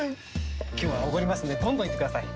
今日はおごりますのでどんどんいってください！